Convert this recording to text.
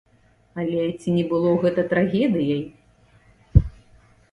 Але ці не было гэта трагедыяй?